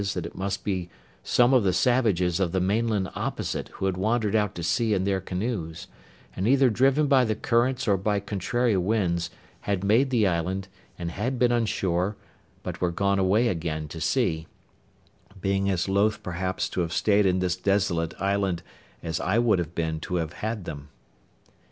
that it must be some of the savages of the mainland opposite who had wandered out to sea in their canoes, and either driven by the currents or by contrary winds, had made the island, and had been on shore, but were gone away again to sea; being as loath, perhaps, to have stayed in this desolate island as I would have been to have had them.